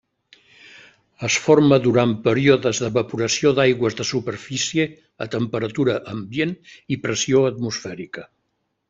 Es forma durant períodes d’evaporació d’aigües de superfície a temperatura ambient i pressió atmosfèrica.